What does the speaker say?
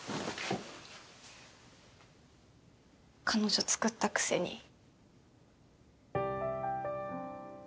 彼女つくったくせに。